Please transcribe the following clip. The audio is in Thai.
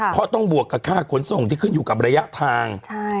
เพราะต้องบวกกับค่าขนส่งที่ขึ้นอยู่กับระยะทาง